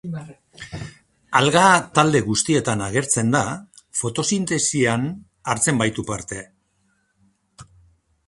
Alga talde guztietan agertzen da, fotosintesian hartzen baitu parte.